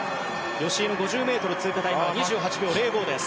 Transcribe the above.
吉井の５０ｍ通過タイムは２８秒０５です。